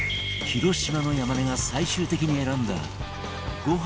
広島の山根が最終的に選んだご飯のお供は？